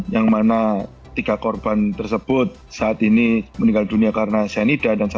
yang mana tiga korban tersebut saat ini meninggal dunia karena cyanida dan sebagainya